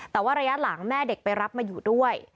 แต่ว่าระยะหลังแม่เด็กไปรับมาอยู่ด้วย